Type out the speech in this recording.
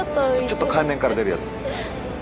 ちょっと海面から出るやつ。